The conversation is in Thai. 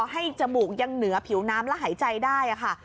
จมูกยังเหนือผิวน้ำและหายใจได้ค่ะ